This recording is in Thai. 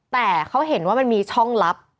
แต่เขาเห็นว่ามันมีช่องลับ